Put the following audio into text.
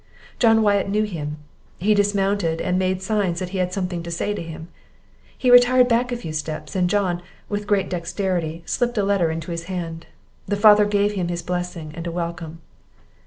John Wyatt knew him; he dismounted, and made signs that he had something to say to him; he retired back a few steps, and John, with great dexterity, slipped a letter into his hand. The father gave him his blessing, and a welcome.